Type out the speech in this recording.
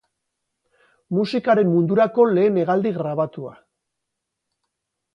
Musikaren mundurako lehen hegaldi grabatua.